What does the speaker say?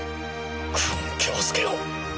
久遠京介を。